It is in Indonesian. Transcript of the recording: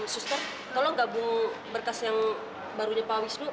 suster tolong gabung berkas yang barunya pak wisnu